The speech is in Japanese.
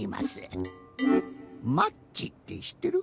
マッチってしってる？